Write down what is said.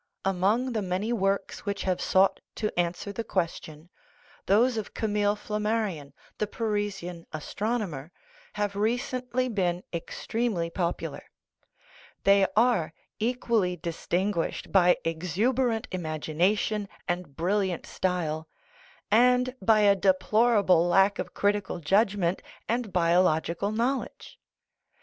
Among the many works which have sought to answer the question, those of Camille Flammarion, the Parisian astronomer, have recently been extremely popular; they are equally distinguished by exuberant imagination and brilliant style, and by a deplorable lack of critical judgment and biological knowledge.